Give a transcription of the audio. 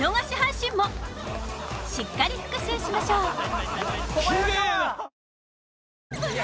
しっかり復習しましょう。